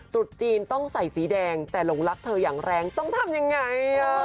ตรุษจีนต้องใส่สีแดงแต่หลงรักเธออย่างแรงต้องทำยังไง